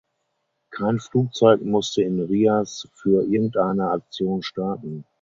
Kein Flugzeug musste in Riaz für irgendeine Aktion starten.